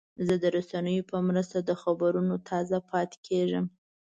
زه د رسنیو په مرسته د خبرونو تازه پاتې کېږم.